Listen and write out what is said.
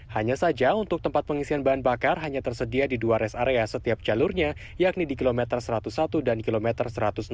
hanya saja untuk tempat pengisian bahan bakar hanya tersedia di dua rest area setiap jalurnya yakni di kilometer satu ratus satu dan kilometer satu ratus enam puluh